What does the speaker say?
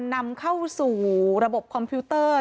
นำเข้าสู่ระบบคอมพิวเตอร์